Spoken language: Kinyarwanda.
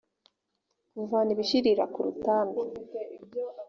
kuvana ibishirira ku rutambi